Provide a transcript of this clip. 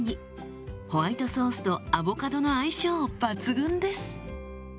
ホワイトソースとアボカドの相性抜群です。